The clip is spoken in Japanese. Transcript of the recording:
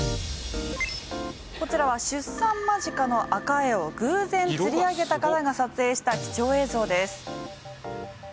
こちらは出産間近のアカエイを偶然釣り上げた方が撮影した貴重映像です。